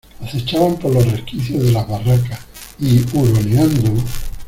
acechaban por los resquicios de las barracas, y , huroneando